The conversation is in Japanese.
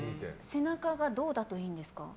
背中がどうだといいんですか？